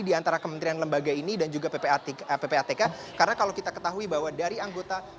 di antara kementerian lembaga ini dan juga ppatk karena kalau kita ketahui bahwa dari anggota